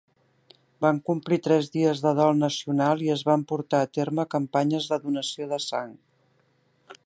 Van complir tres dies de dol nacional, i es van portar a terme campanyes de donació de sang.